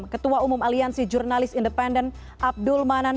ketua umum aliansi jurnalis independen abdul manan